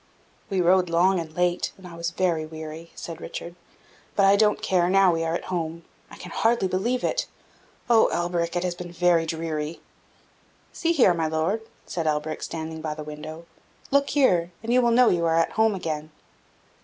"We rode long and late, and I was very weary," said Richard! "but I don't care, now we are at home. But I can hardly believe it! Oh, Alberic, it has been very dreary!" "See here, my Lord!" said Alberic, standing by the window. "Look here, and you will know you are at home again!"